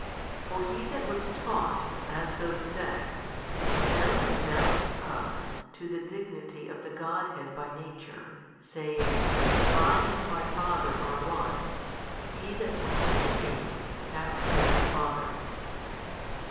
For He that was taught (as those say) is found to have mounted up to the dignity of the God head by Nature, saying, I and My Father are One, He that hath seen Me hath seen the Father.